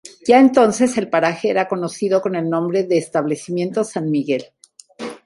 Ya entonces el paraje era conocido con el nombre de Establecimiento San Miguel.